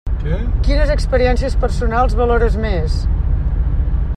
Quines experiències personals valores més?